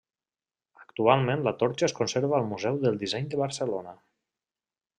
Actualment la torxa es conserva al Museu del Disseny de Barcelona.